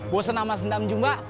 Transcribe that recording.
bosan sama sendam jumba